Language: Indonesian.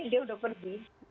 dia udah pergi